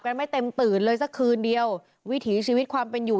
ไม่เต็มตื่นเลยสักคืนเดียววิถีชีวิตความเป็นอยู่